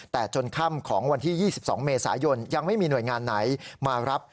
แต่จนค่ำของวันที่๒๒เมษายนยังไม่มีหน่วยงานไหนมารับ